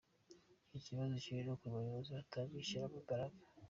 Ikibazo kiri no ku bayobozi batabishyiramo imbaraga.